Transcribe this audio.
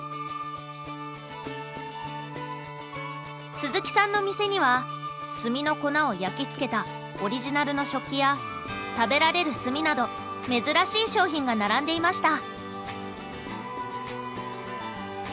鈴木さんの店には炭の粉を焼き付けたオリジナルの食器や食べられる炭など珍しい商品が並んでいました。